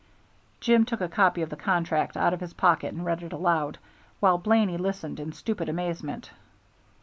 Jim took a copy of the contract out of his pocket and read it aloud, while Blaney listened in stupid amazement.